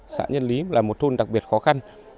xã nhân lý là một thôn đặc biệt khó khăn